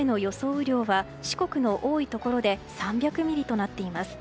雨量が四国の多いところで３００ミリとなっています。